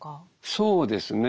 そうですね。